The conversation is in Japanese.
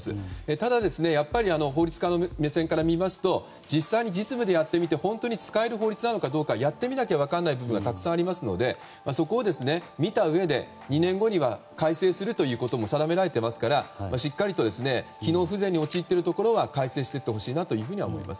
ただ、法律家の目線から見ますと実際に実務でやってみて本当に使える法律なのかどうかやってみなきゃ分からない部分がたくさんありますのでそこを見たうえで、２年後には改正するということも定められていますからしっかりと機能不全に陥っているところは改正をしていってほしいなと思います。